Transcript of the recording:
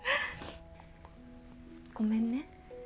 ごめんね。